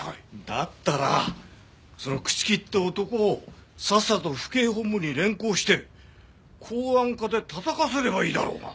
だったらその朽木って男をさっさと府警本部に連行して公安課でたたかせればいいだろうが。